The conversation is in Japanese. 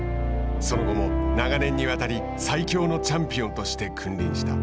その後も長年にわたり最強のチャンピオンとして君臨した。